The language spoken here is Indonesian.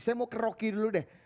saya mau ke rocky dulu deh